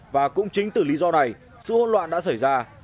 và cũng chính từ lý do này sự hỗn loạn đã xảy ra